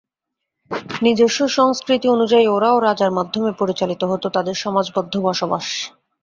নিজস্ব সংস্কৃতি অনুযায়ী ওঁরাও রাজার মাধ্যমে পরিচালিত হতো তাদের সমাজবদ্ধ বসবাস।